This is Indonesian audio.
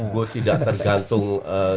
gue tidak tergantung